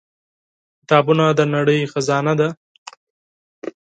• کتابونه د نړۍ خزانه ده.